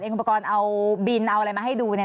เองคุณประกอลเอาบิลอะไรมาให้ดู